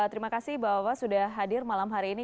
terima kasih bahwa sudah hadir malam hari ini